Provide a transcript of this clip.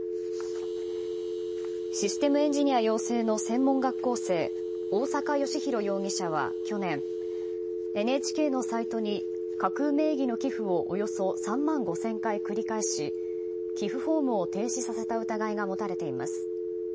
システムエンジニア養成の専門学校生、大坂良広容疑者は去年、ＮＨＫのサイトに架空名義の寄付をおよそ３万５０００回繰り返し、寄付フォームを停止させた疑いが持たれています。